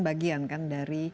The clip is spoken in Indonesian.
terumbu karang kan juga kan